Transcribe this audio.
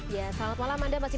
ya selamat malam anda masih